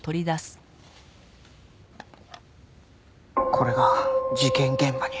これが事件現場に。